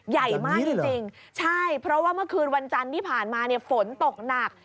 ใหญ่มากจริงใช่เพราะว่าเมื่อคืนวันจันทร์ที่ผ่านมาเนี่ยฝนตกหนัก